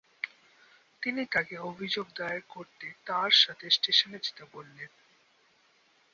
তিনি তাকে অভিযোগ দায়ের করতে তার সাথে স্টেশনে যেতে বললেন।